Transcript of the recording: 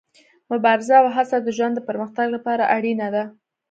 مبارزه او هڅه د ژوند د پرمختګ لپاره اړینه ده.